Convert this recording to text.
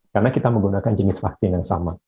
karena kita menggunakan jenis vaksin yang sama